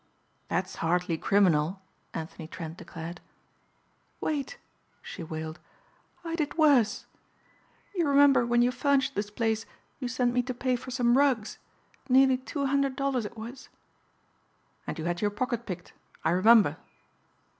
"That's hardly criminal," Anthony Trent declared. "Wait," she wailed, "I did worse. You remember when you furnished this place you sent me to pay for some rugs nearly two hundred dollars it was?" "And you had your pocket picked. I remember."